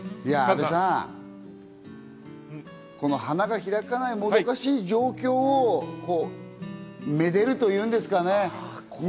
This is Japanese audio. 阿部さん、花が開かないもどかしい状況をめでると言うんですかね。